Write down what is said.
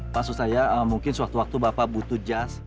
maksud saya mungkin sewaktu waktu bapak butuh jas